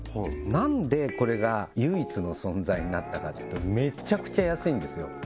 何でこれが唯一の存在になったかというとめちゃくちゃ安いんですよ